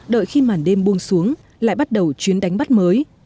đợi khi màn đêm buông xuống lại bắt đầu chuyến đánh bắt mới